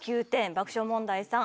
爆笑問題さん